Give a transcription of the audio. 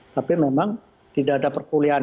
tapi memang tidak ada perkulian